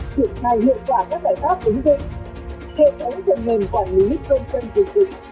triển khai hiệu quả các giải pháp ứng dụng hệ thống phần mềm quản lý công dân dịch dịch